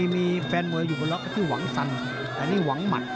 ไม่เครื่องวังสั้นอันนี้วังมัตต์